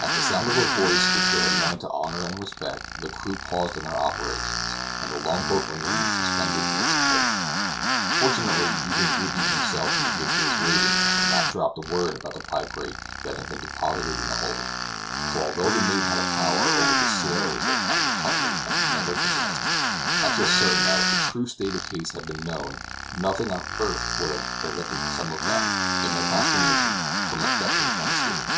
At the sound of a voice which they had learned to honor and respect, the crew paused in their operations, and the long boat remained suspended in its place. Fortunately, even Ruby himself in the midst of his ravings, had not dropped a word about the picrate that had been deposited in the hold; for although the mate had a power over the sailors that Captain Huntly had never possessed, I feel certain that if the true state of the case had been known, nothing on earth would have prevented some of them, in their consternation, from effecting an escape.